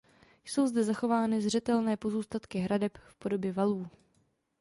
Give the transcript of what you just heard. Jsou zde zachovány zřetelné pozůstatky hradeb v podobě valů.